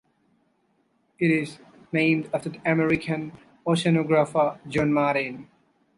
It is named after the American oceanographer John Martin.